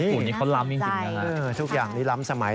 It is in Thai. หุ่นนี้เขาล้ำจริงแล้วนะฮะน่าสนใจทุกอย่างนี้ล้ำสมัย